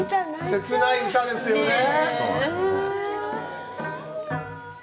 切ない歌ですよねぇ。